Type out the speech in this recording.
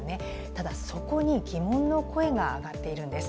ただ、そこに疑問の声が上がっているんです。